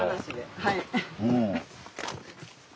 はい。